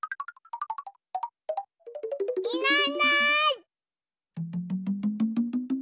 いないいない。